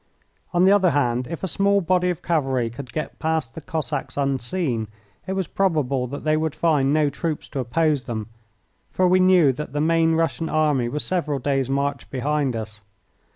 On the other hand, if a small body of cavalry could get past the Cossacks unseen it was probable that they would find no troops to oppose them, for we knew that the main Russian army was several days' march behind us.